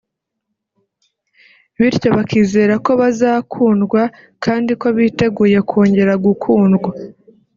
bityo bakizera ko bazakundwa kandi ko biteguye kongera gukundwa